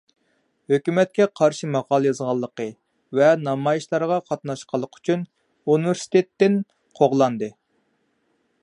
ھۆكۈمەتكە قارشى ماقالە يازغانلىقى ۋە نامايىشلارغا قاتناشقانلىقى ئۈچۈن ئۇنىۋېرسىتېتتىن قوغلاندى.